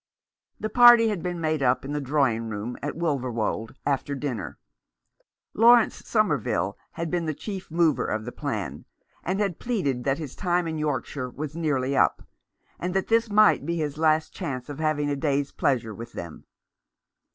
The party had been made up in the drawing room at Wilverwold after dinner. Laurence Somerville had been the chief mover of the plan, and had pleaded that his time in Yorkshire was nearly up, and that this might be his last chance of having a day's pleasure with them.